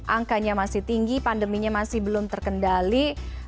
angkanya masih tinggi pandeminya masih belum terkendali